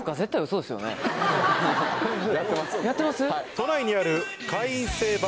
都内にある。